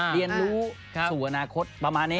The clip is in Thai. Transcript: เรียนรู้สู่อนาคตประมาณนี้